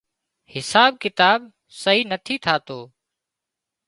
حساب ڪتاب سئي نٿي ٿاتو